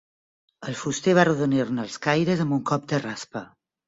El fuster va arrodonir-ne els caires amb un cop de raspa.